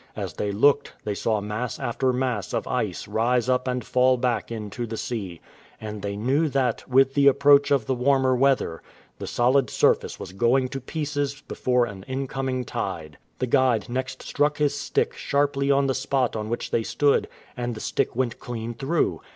As they looked, they saw mass after mass of ice rise up and fall back into the sea ; and they knew that, with the approach of the warmer weather, the 195 TRIALS AND ANXIETIES solid surface was going to pieces before an incoming tide. The guide next struck his stick sharply on the spot on which they stood, and the stick went clean through.